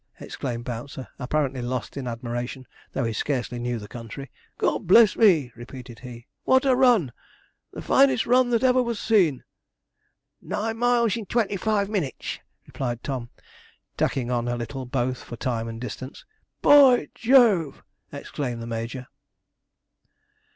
exclaimed Bouncer, apparently lost in admiration, though he scarcely knew the country; 'God bless me!' repeated he, 'what a run! The finest run that ever was seen.' 'Nine miles in twenty five minutes,' replied Tom, tacking on a little both for time and distance. 'B o y JOVE!' exclaimed the major.